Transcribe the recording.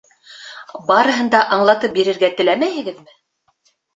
Барыһын да аңлатып бирергә теләмәйһегеҙме?